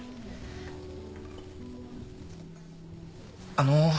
あの。